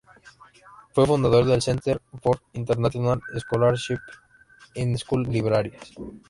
Fue fundadora del Center for Internacional Scholarship in School Libraries.